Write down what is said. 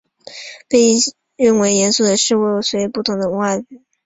被认为严肃的事物随不同的文化广泛地变化。